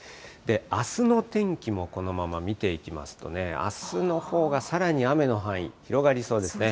あすの天気もこのまま見ていきますとね、あすのほうがさらに雨の範囲、広がりそうですね。